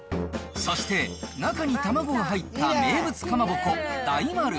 そして、中に玉子が入った名物かまぼこ、大丸。